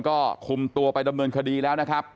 ก็คุมตัวไปดำเนินคดีแล้วนะครับ